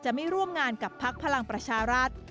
ไม่ร่วมงานกับพักพลังประชารัฐ